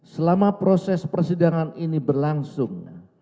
selama proses persidangan ini berlangsung